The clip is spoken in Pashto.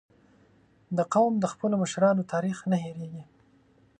• دا قوم د خپلو مشرانو تاریخ نه هېرېږي.